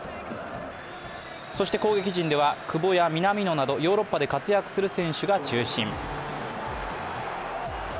そして攻撃陣では久保や南野などヨーロッパで活躍する選手が中心。